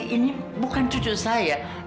ini bukan cucu saya